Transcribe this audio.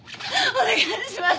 お願いします！